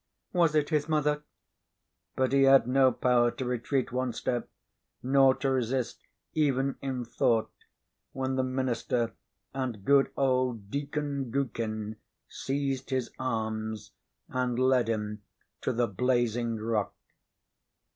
Was it his mother? But he had no power to retreat one step, nor to resist, even in thought, when the minister and good old Deacon Gookin seized his arms and led him to the blazing rock.